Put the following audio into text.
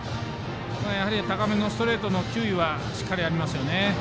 やはり高めのストレートの球威はしっかりありますよね。